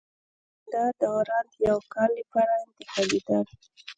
دا داوران د یوه کال لپاره انتخابېدل